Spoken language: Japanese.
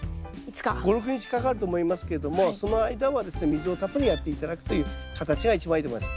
５６日かかると思いますけれどもその間はですね水をたっぷりやって頂くという形が一番いいと思います。